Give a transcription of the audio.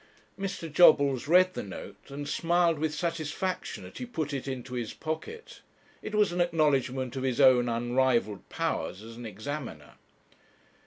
Mr. Jobbles read the note, and smiled with satisfaction as he put it into his pocket. It was an acknowledgement of his own unrivalled powers as an Examiner.